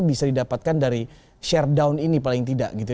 bisa didapatkan dari share down ini paling tidak gitu ya